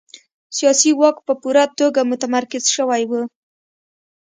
سیاسي واک په پوره توګه متمرکز شوی و.